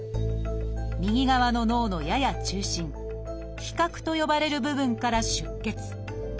右側の脳のやや中心「被殻」と呼ばれる部分から出血。